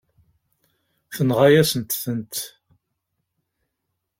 Tenɣa-yasent-tent.